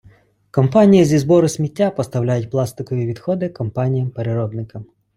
Компанії зі збору сміття поставляють пластикові відходи компаніям-переробникам.